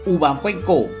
u bám quanh cổ